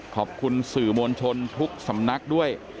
ขอบคุณสื่อมวลชนทุกสำนักด้วย